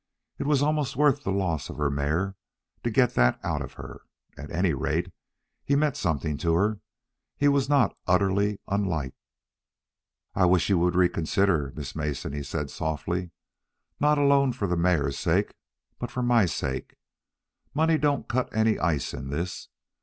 It was almost worth the loss of the mare to get that out of her. At any rate, he meant something to her. He was not utterly unliked. "I wish you would reconsider, Miss Mason," he said softly. "Not alone for the mare's sake, but for my sake. Money don't cut any ice in this.